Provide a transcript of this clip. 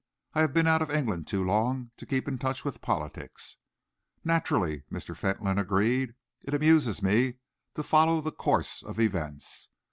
"I have been out of England too long to keep in touch with politics." "Naturally," Mr. Fentolin agreed. "It amuses me to follow the course of events.